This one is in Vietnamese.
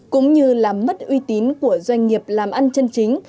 cũng như làm mất uy tín của doanh nghiệp làm ăn chân chính